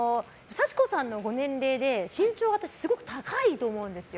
幸子さんのご年齢で身長が私すごく高いと思うんですよ。